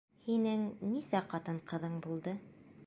Һинең нисә ҡатын-ҡыҙың булды?